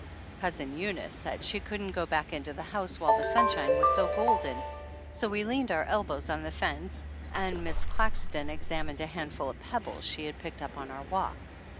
Cousin Eunice said she couldn't go back into the house while the sunshine was so golden, so we leaned our elbows on the fence and Miss Clax ton examined a handful of pebbles she had picked up on our walk.